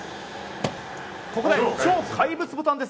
ここで超怪物ボタンです。